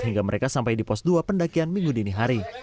hingga mereka sampai di pos dua pendakian minggu dini hari